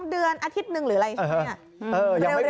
๒เดือนอาทิตย์นึงหรืออะไรอย่างนี้